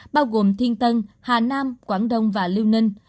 bao gồm thiên tân hà nam quảng đông và liêu ninh